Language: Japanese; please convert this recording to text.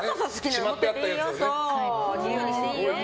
しまってあったやつをね。